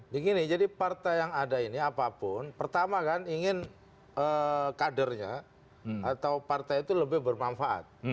begini jadi partai yang ada ini apapun pertama kan ingin kadernya atau partai itu lebih bermanfaat